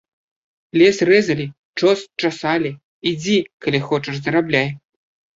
Лес рэзалі, чос часалі, ідзі, калі хочаш, зарабляй.